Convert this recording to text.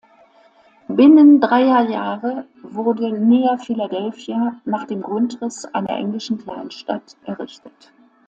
Binnen dreier Jahre wurde Nea Filadelfia nach dem Grundriss einer englischen Kleinstadt errichtet.